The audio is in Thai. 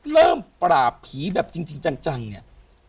เริ่มปราบผีแบบจริงจังเนี่ย